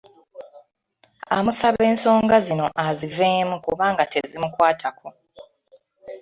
Amusaba ensonga zino aziveemu kubanga tezimukwatako.